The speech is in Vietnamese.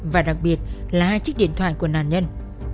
và đặc biệt là hai chiếc điện thoại của nạn nhân